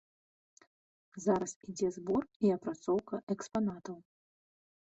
Зараз ідзе збор і апрацоўка экспанатаў.